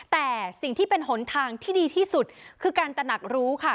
แต่สิ่งที่เป็นหนทางที่ดีที่สุดคือการตนักรู้ค่ะ